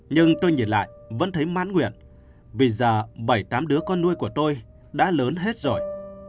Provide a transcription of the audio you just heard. nhưng tôi nhìn lại vẫn thấy mãn nguyện vì giờ bảy tám đứa con nuôi của tôi đã lớn hết rồi